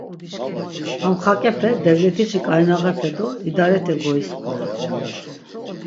Ham xaǩepe, devlet̆işi ǩaynağepe do idarete goiskuren.